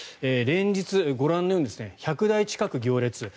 連日、ご覧のように１００台近く行列。